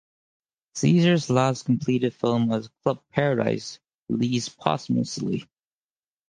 Caesar's last completed film was "Club Paradise" released posthumously.